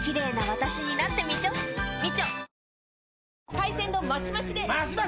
海鮮丼マシマシで！